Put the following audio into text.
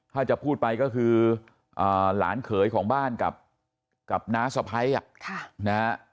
ถ้าจะพูดไปก็คือหลานเขยของบ้านกับน้าสะพ้ายนะฮะ